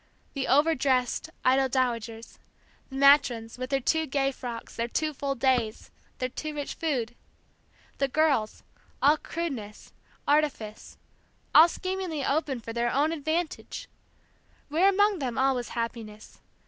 The overdressed, idle dowagers; the matrons, with their too gay frocks, their too full days, their too rich food; the girls, all crudeness, artifice, all scheming openly for their own advantage, where among them all was happiness?